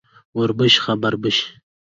ـ وربشې خبر بشې.